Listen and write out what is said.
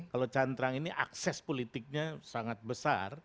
kalau cantrang ini akses politiknya sangat besar